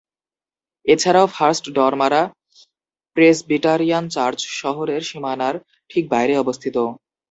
এছাড়াও First Dromara Presbyterian Church শহরের সীমানার ঠিক বাইরে অবস্থিত।